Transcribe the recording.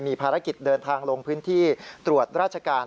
มีภารกิจเดินทางลงพื้นที่ตรวจราชการ